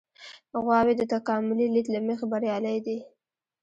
غواوې د تکاملي لید له مخې بریالۍ دي.